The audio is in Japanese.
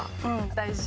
大事。